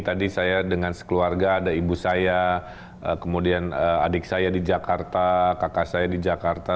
tadi saya dengan sekeluarga ada ibu saya kemudian adik saya di jakarta kakak saya di jakarta